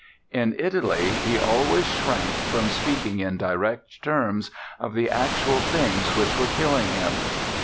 In Italy he always shrank from speaking in direct terms of the actual things which were killing him.